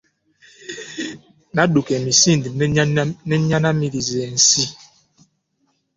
Nadduka emisinde ne nnyanaamiriza ensi.